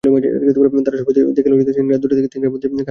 তাঁরা সবাই সেদিন রাত দুইটা থেকে তিনটার মধ্যে কারাগার থেকে পালিয়ে যান।